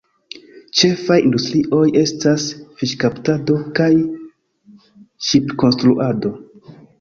Ĉefaj industrioj estas fiŝkaptado kaj ŝipkonstruado.